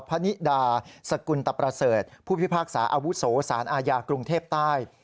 พนิดาสกุลตประเสริฐผู้พิพากษาอาวุโสสารอาญากรุงเทพใต้